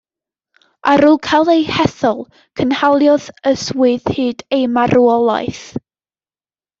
Ar ôl cael ei hethol, cynhaliodd y swydd hyd ei marwolaeth.